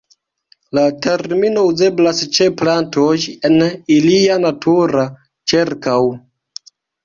La termino uzeblas ĉe plantoj en ilia natura ĉirkaŭ.